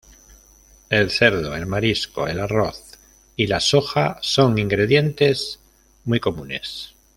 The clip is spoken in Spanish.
El cerdo, el marisco, el arroz y la soja son ingredientes muy comunes.